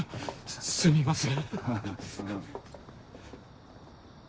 すみません。